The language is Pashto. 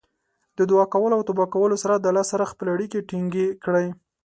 د دعا کولو او توبه کولو سره د الله سره خپلې اړیکې ټینګې کړئ.